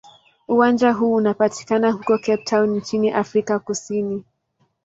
Uwanja huu unapatikana huko Cape Town nchini Afrika Kusini.